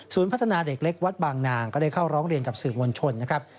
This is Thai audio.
พัฒนาเด็กเล็กวัดบางนางก็ได้เข้าร้องเรียนกับสื่อมวลชนนะครับ